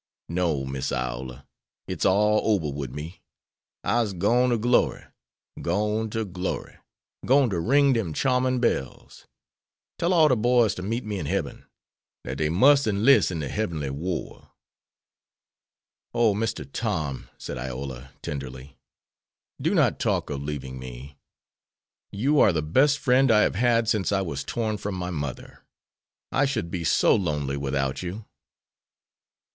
"No, Miss Iola, it's all ober wid me. I'se gwine to glory; gwine to glory; gwine to ring dem charmin' bells. Tell all de boys to meet me in heben; dat dey mus' 'list in de hebenly war." "O, Mr. Tom," said Iola, tenderly, "do not talk of leaving me. You are the best friend I have had since I was torn from my mother. I should be so lonely without you."